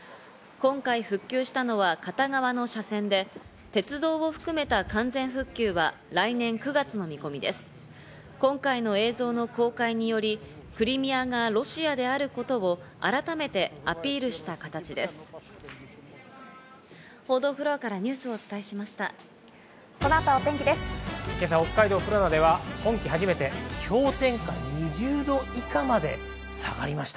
今回の映像の公開によりクリミアがロシアであることを改めてアピールした形です。